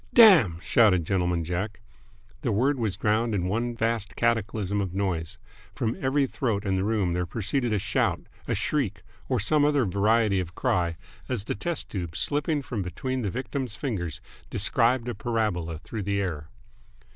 "Damn!" shouted Gentleman Jack. The word was drowned in one vast cataclysm of noise. From every throat in the room there proceeded a shout, a shriek, or some other variety of cry, as the test tube, slipping from between the victim's fingers, described a parabola through the air.